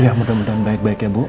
ya mudah mudahan baik baik ya bu